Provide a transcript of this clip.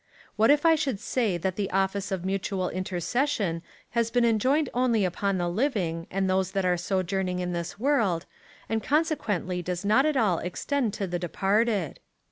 What if I should say that the office of mutual intercession has been enjoined only upon the living, and those that are sojourning in this world, and consequently does not at all extend to the departed